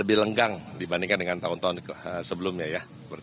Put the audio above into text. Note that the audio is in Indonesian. lebih lenggang dibandingkan dengan tahun tahun sebelumnya ya